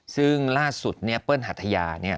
ซึ่งล่าสุดเนี่ยเปิ้ลหัทยาเนี่ย